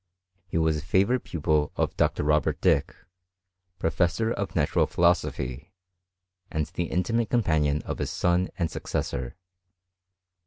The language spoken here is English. He was a favourite pupil <H Dr. Robert Dick, professor of natural philosophy, and the intimate companion of his son and successor.